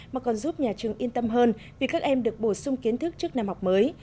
mà còn giúp nhà trường yên tâm hơn vì các em được bổ sung kiến thức trước năm học mới